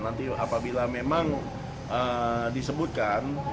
nanti apabila memang disebutkan